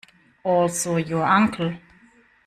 Also your uncle.